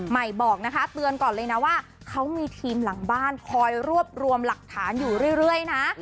ใหม่บอกนะคะเตือนก่อนเลยนะว่าเขามีทีมหลังบ้านคอยรวบรวมหลักฐานอยู่เรื่อยนะ